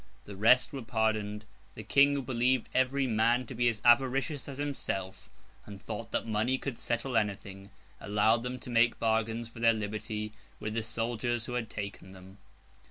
The rest were pardoned. The King, who believed every man to be as avaricious as himself, and thought that money could settle anything, allowed them to make bargains for their liberty with the soldiers who had taken them.